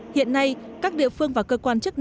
hiện nay các địa phương và cơ quan truyền thông